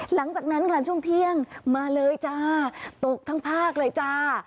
หลังจากนั้นค่ะช่วงเที่ยงมาเลยจ้าตกทั้งภาคเลยจ้า